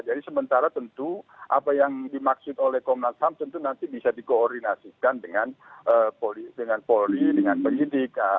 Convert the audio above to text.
jadi sementara tentu apa yang dimaksud oleh komnas ham tentu nanti bisa dikoordinasikan dengan polri dengan penyidik